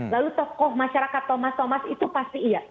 lalu tokoh masyarakat thomas thomas itu pasti iya